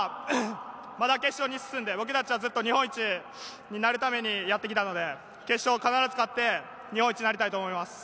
僕たちはずっと日本一になるためにやってきたので、まずは決勝を必ず勝って、日本一になりたいと思います。